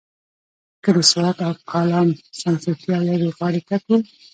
که د سوات او کالام سمسورتیا یوې غاړې ته کړو.